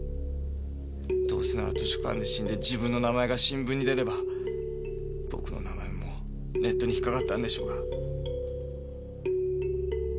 どうせなら図書館で死んで自分の名前が新聞に出れば僕の名前もネットに引っ掛かったんでしょうが。